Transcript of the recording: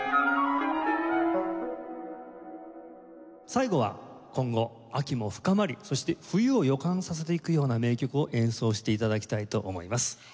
最後は今後秋も深まりそして冬を予感させていくような名曲を演奏して頂きたいと思います。